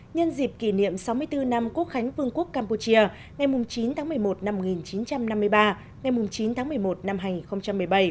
nhân dịp kỷ niệm sáu mươi bốn năm quốc khánh vương quốc campuchia ngày chín tháng một mươi một năm một nghìn chín trăm năm mươi ba ngày chín tháng một mươi một năm hai nghìn một mươi bảy